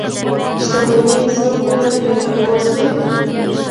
شتمني څوک نه بدلوي پوه شوې!.